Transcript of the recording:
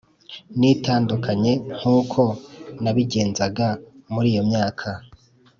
nitandukanye nk uko nabigenzaga muri iyo myaka